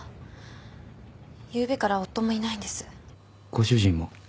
ご主人も？